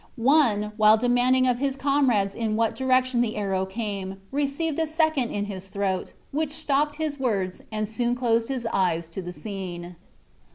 One, while demanding of his comrades in what direction the arrow came, received a second in his throat, which stopped his words, and soon closed his eyes to the scene.